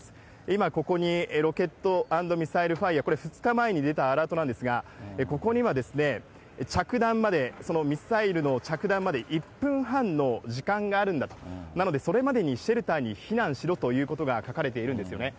今、ここに、ロケットアンドミサイルファイア、これ２日前に出たアラートなんですが、ここには、着弾まで、そのミサイルの着弾まで１分半の時間があるんだと、なので、それまでにシェルターに避難しろということが書かれているんですよね。